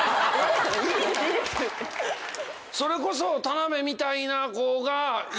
それこそ田辺みたいな子が。